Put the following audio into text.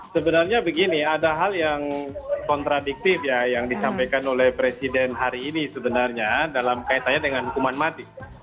sebenarnya begini ada hal yang kontradiktif ya yang disampaikan oleh presiden hari ini sebenarnya dalam kaitannya dengan hukuman mati